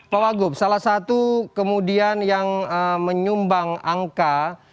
pak wagub salah satu kemudian yang menyumbang angka